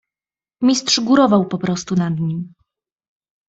"Mistrz górował poprostu nad nim."